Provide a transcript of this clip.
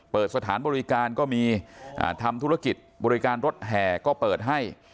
เปิดสถานบริการก็มีทำธุรกิจบริการรถแห่ก็เปิดให้